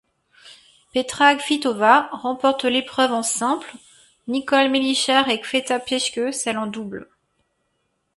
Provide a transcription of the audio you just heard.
Petra Kvitová remporte l'épreuve en simple, Nicole Melichar et Květa Peschke celle en double.